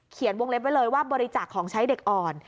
วงเล็บไว้เลยว่าบริจาคของใช้เด็กอ่อน